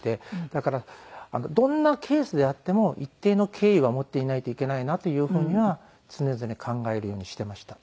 だからどんなケースであっても一定の敬意は持っていないといけないなというふうには常々考えるようにしていました。